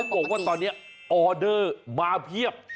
บอกว่าตอนนี้ออเดอร์มาเพียบ